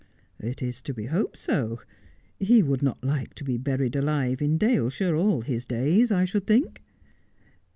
' It is to be hoped so. He would not like to be buried alive in Daleshire all his days, I should think.'